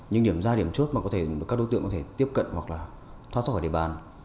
những điểm ra điểm chốt mà các đối tượng có thể tiếp cận hoặc là thoát ra khỏi địa bàn